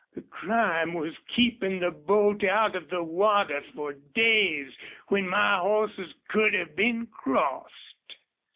The crime was keepin' the boat out of the water fer days when my hosses could have been crossed."